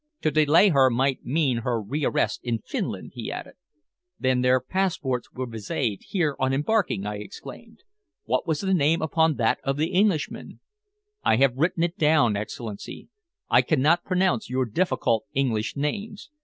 To delay her might mean her rearrest in Finland," he added. "Then their passports were viséd here on embarking?" I exclaimed. "What was the name upon that of the Englishman?" "I have it here written down, Excellency. I cannot pronounce your difficult English names."